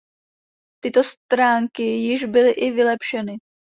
Tyto stránky již byly i vylepšeny.